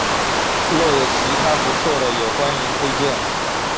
若有其他不错的也欢迎推荐